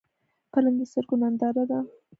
فلم د سترګو ننداره ده